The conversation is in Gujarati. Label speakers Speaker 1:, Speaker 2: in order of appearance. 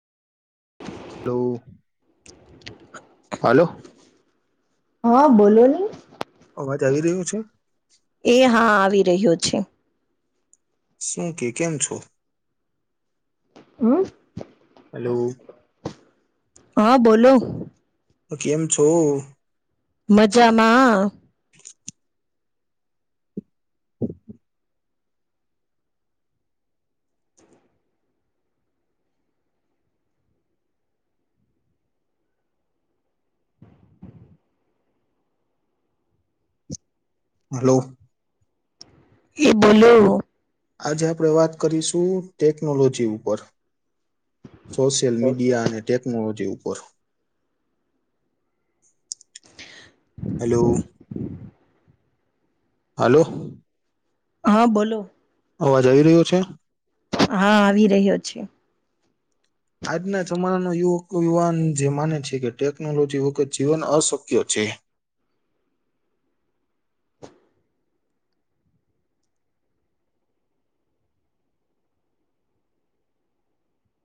Speaker 1: હેલો.
Speaker 2: [inaudible] [unintelligible]
Speaker 1: હલો.
Speaker 2: હા બોલો ને.
Speaker 1: અવાજ આવી રહ્યો છે?
Speaker 2: એ હા આવી રહ્યો છે.
Speaker 1: શું કે કેમ છો?
Speaker 2: હમ
Speaker 1: હલો
Speaker 2: હા બોલો.
Speaker 1: તો કેમ છો?
Speaker 2: મજામાં. [inaudible] [unintelligible]
Speaker 1: હલો.
Speaker 2: એ બોલું
Speaker 1: આજે આપણે વાત કરીશું ટેકનોલોજી ઉપર. સોશિયલ મીડિયા અને ટેકનોલોજી ઉપર હલો. હલો.
Speaker 2: હા બોલો.
Speaker 1: અવાજ આવી રહ્યો છે?
Speaker 2: હા આવી રહ્યો છે.
Speaker 1: આજના જમાનાનો યુવક યુવાન જે માને છે કે ટેકનોલોજી વખત જીવન અશક્ય છે.